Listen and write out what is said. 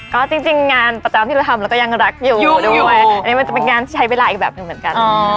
ก็จริงงานประจำที่เราทำเราก็ยังรักอยู่ด้วยอันนี้มันจะเป็นงานที่ใช้เวลาอีกแบบหนึ่งเหมือนกัน